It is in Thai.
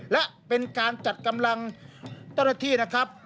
และเป็นการจัดกำลังเจ้าหน้าที่นะครับ